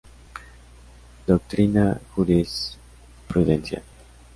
Doctrina Jurisprudencial.